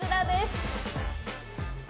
こちらです。